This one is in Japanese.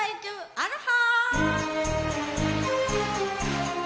アロハ！